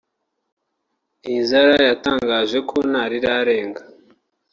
Nizar yatangaje ko nta rirarenga